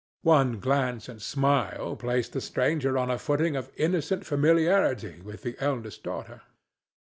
One glance and smile placed the stranger on a footing of innocent familiarity with the eldest daughter.